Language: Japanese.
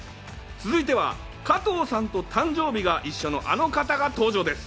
続いては、加藤さんと誕生日が一緒のあの方が登場です。